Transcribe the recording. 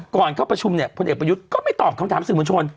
เข้าประชุมเนี่ยพลเอกประยุทธ์ก็ไม่ตอบคำถามสื่อมวลชน